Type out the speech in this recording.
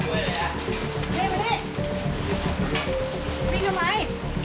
วิ่งทำไม